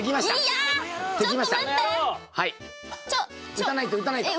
撃たないと撃たないと。